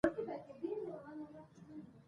مېوې د افغانستان د اقلیمي نظام ښکارندوی ده.